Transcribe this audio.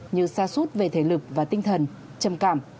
như xa suốt về thể lực và tinh thần trầm cảm